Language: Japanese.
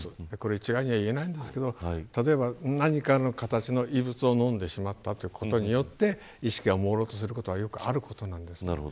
一概には言えませんが、例えば何かの形の異物を飲んでしまったということによって意識がもうろうとすることはよくあることです。